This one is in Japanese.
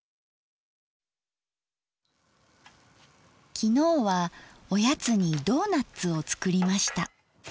昨日はおやつにドーナッツを作りました。